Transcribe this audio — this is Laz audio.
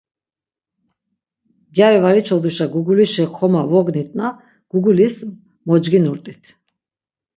Gyari var içoduşa gugulişi xoma vognitna gugulis mocginurt̆it.